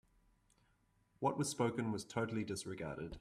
What was spoken was totally disregarded.